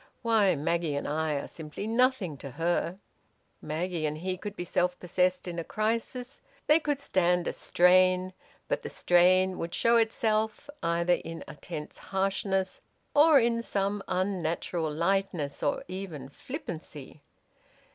"Why, Maggie and I are simply nothing to her!" Maggie and he could be self possessed in a crisis; they could stand a strain; but the strain would show itself either in a tense harshness, or in some unnatural lightness, or even flippancy.